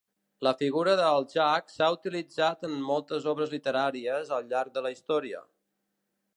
La figura del jack s'ha utilitzat en moltes obres literàries al llarg de la història.